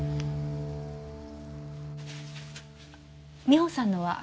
美帆さんのは？